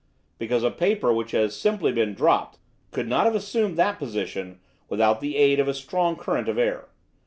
"Because a paper which has simply been dropped could not have assumed that position without the aid of a strong current of air.